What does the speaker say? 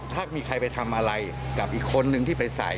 ถ้ามีใครไปทำอะไรกับอีกคนนึงที่ไปใส่